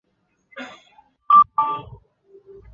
翘距根节兰为兰科节兰属下的一个种。